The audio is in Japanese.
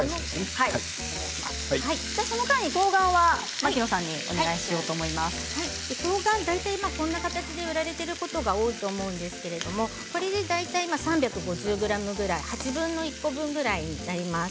その間にとうがんは牧野さんにお願いしたいと大体こういう形で売られていることが多いと思いますが、大体これで３５０ｇぐらい、８分の１個分ぐらいになります。